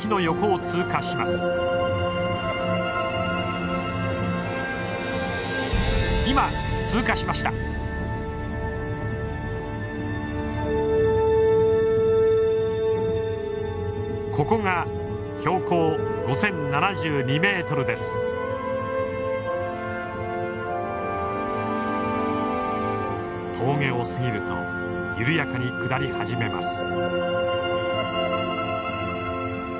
峠を過ぎると緩やかに下り始めます。